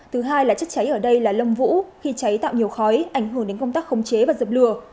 thứ hai là chất cháy ở đây là lâm vũ khi cháy tạo nhiều khói ảnh hưởng đến công tác khống chế và dập lửa